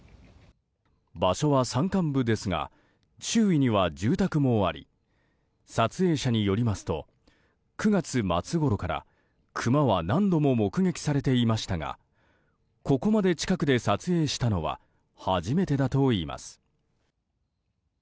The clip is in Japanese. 場所は山間部ですが周囲には住宅もあり撮影者によりますと９月末ごろからクマは何度も目撃されていましたがここまで近くで撮影したのは初めてだといいます。